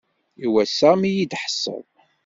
I wass-a mi yi-d-thesseḍ.